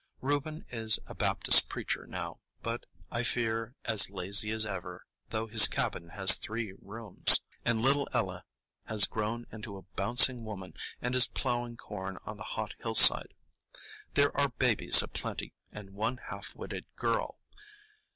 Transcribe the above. Reuben is a Baptist preacher now, but I fear as lazy as ever, though his cabin has three rooms; and little Ella has grown into a bouncing woman, and is ploughing corn on the hot hillside. There are babies a plenty, and one half witted girl.